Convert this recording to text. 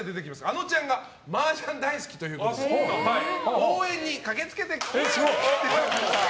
あのちゃんがマージャン大好きということで応援に駆け付けてくれました。